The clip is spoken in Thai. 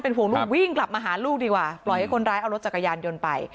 ห่วงลูกวิ่งกลับมาหาลูกดีกว่า